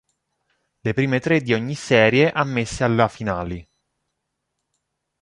Le prime tre di ogni serie ammesse alla finali.